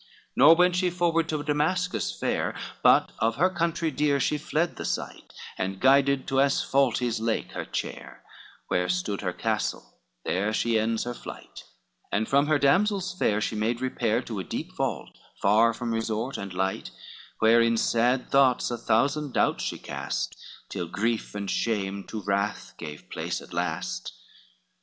LXXI Now she went forward to Damascus fair, But of her country dear she fled the sight, And guided to Asphaltes' lake her chair, Where stood her castle, there she ends her flight, And from her damsels far, she made repair To a deep vault, far from resort and light, Where in sad thoughts a thousand doubts she cast, Till grief and shame to wrath gave place at last.